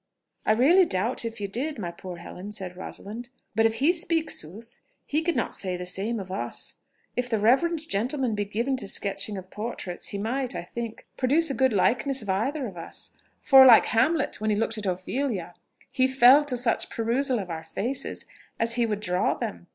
"I really doubt if you did, my poor Helen," said Rosalind; "but if he speak sooth, he could not say the same of us. If the Reverend gentleman be given to sketching of portraits, he might, I think, produce a good likeness of either of us, for, like Hamlet when he looked at Ophelia, 'he fell to such perusal of our faces, as he would draw them'....